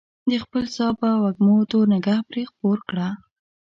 د خپل ساه په وږمو تور نګهت پرې خپور کړه